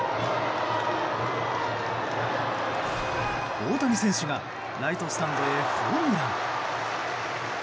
大谷選手がライトスタンドへホームラン。